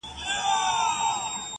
څوك به تاو كړي د بابا بګړۍ له سره!